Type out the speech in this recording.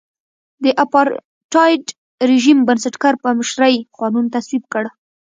د اپارټایډ رژیم بنسټګر په مشرۍ قانون تصویب کړ.